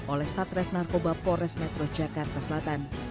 oleh satres narkoba pores metro jakarta selatan